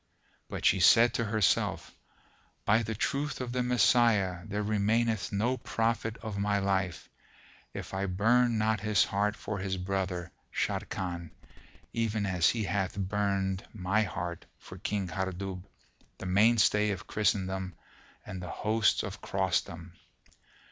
But she said to herself, "By the truth of the Messiah, there remaineth no profit of my life, if I burn not his heart for his brother, Sharrkan, even as he hath burned my heart for King Hardub, the mainstay of Christendom and the hosts of Crossdom!"